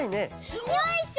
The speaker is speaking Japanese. よいしょ！